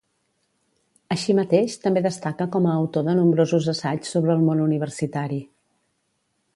Així mateix també destaca com a autor de nombrosos assaigs sobre el món universitari.